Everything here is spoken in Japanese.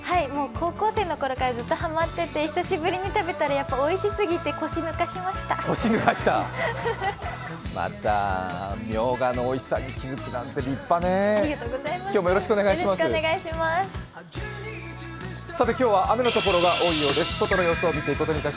高校生の頃からずっとはまってて久しぶりに食べたらやっぱおいしすぎて腰抜かしました。